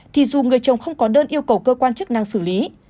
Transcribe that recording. thì dù người chồng không có đơn yêu cầu cơ quan chức năng xử lý